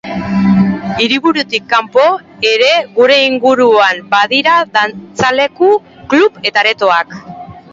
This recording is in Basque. Hiriburutik kanpo ere gure inguruan badira dantzaleku, club eta aretoak.